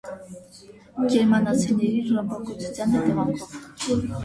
) գերմանացիների ռմբակոծության հետևանքով։